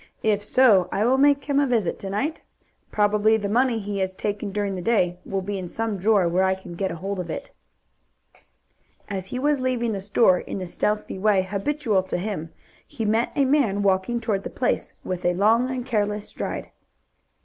"If so, I will make him a visit to night. Probably the money he has taken during the day will be in some drawer where I can get hold of it." As he was leaving the store in the stealthy way habitual to him, he met a man walking toward the place with a long and careless stride.